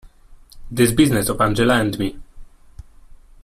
This business of Angela and me.